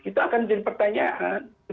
itu akan jadi pertanyaan